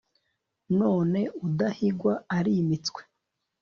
none udahigwa arimitswe